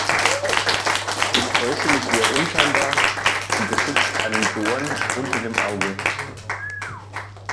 Ist äußerlich eher unscheinbar und besitzt einen Dorn unter dem Auge.